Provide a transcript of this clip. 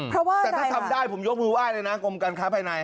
แต่ถ้าทำได้ผมยกมือว่ายเลยนะกรมการค้าภายใน